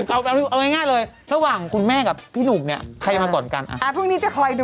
เอาง่ายเลยต่างหกเนี่ยถ้าหวังคุณแม่กับพี่หลุกเนี่ย